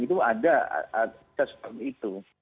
itu ada sesuatu seperti itu